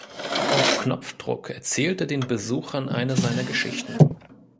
Auf Knopfdruck erzählt er den Besuchern eine seiner Geschichten.